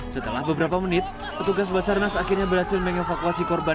setelah beberapa menit petugas basarnas akhirnya berhasil mengevakuasi korban